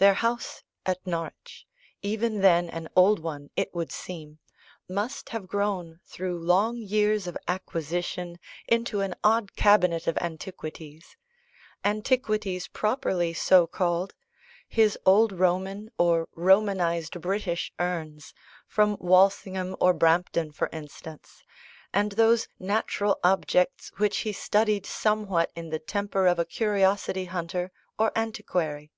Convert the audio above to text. Their house at Norwich, even then an old one it would seem, must have grown, through long years of acquisition, into an odd cabinet of antiquities antiquities properly so called; his old Roman, or Romanised British urns, from Walsingham or Brampton, for instance, and those natural objects which he studied somewhat in the temper of a curiosity hunter or antiquary.